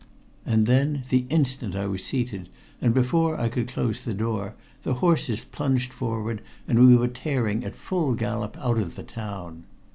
And then the instant I was seated, and before I could close the door, the horses plunged forward and we were tearing at full gallop out of the town.